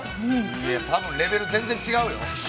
いや多分レベル全然違うよ！